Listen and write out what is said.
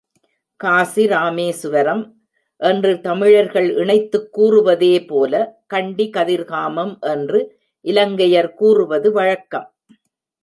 காசி, ராமேஸ்வரம் என்று தமிழர்கள் இணைத்துக் கூறுவதேபோல, கண்டி, கதிர்காமம் என்று இலங்கையர் கூறுவது வழககம்.